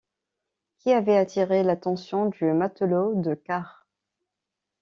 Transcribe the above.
qui avait attiré l’attention du matelot de quart.